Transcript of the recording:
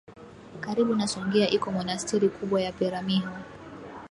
Karibu na Songea iko monasteri kubwa ya Peramiho